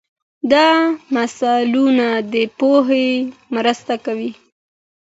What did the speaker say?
دا مثالونه د پوهې مرسته کوي.